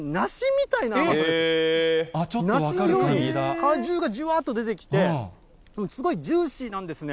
果汁がじゅわーっと出てきて、すごいジューシーなんですね。